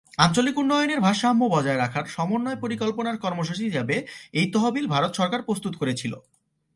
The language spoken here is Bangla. আঞ্চলিক উন্নয়নের ভারসাম্য বজায় রাখার সমন্বয় পরিকল্পনার কর্মসূচি হিসেবে এই তহবিল ভারত সরকার প্রস্তুত করেছিল।